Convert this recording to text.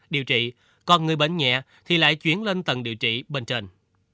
điều trị còn người bệnh nhẹ thì lại chuyển lên tầng điều trị bên trên